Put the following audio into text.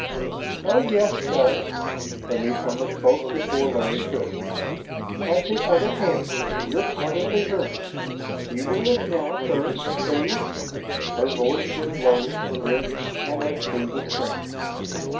"Oh, yes, sir." The newcomer spoke before Larry could. "At the other end your part of the room. You will look now, sir, please?" Her voice was low, rich and as smooth as cream.